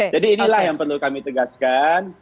jadi inilah yang perlu kami tegaskan